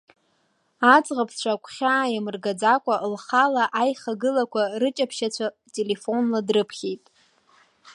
Аӡӷабцәа агәхьаа иамыргаӡакәа, лхала аихагылақәа рыҷаԥшьацәа телефонла дрыԥхьеит.